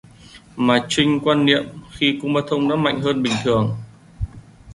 mà Trinh quan niệm khi Kumanthong đã mạnh hơn bình thường